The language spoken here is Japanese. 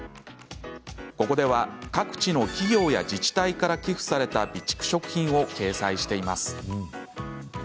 ここでは各地の企業や自治体から寄付された備蓄食品を掲載しています。